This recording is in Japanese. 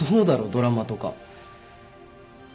ドラマとか。